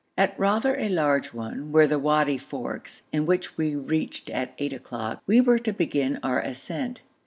At rather a large one, where the wadi forks, and which we reached at eight o'clock, we were to begin our ascent.